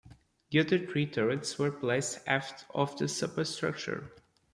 The other three turrets were placed aft of the superstructure.